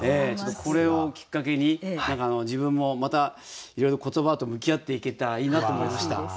これをきっかけに何か自分もまたいろいろ言葉と向き合っていけたらいいなと思いました。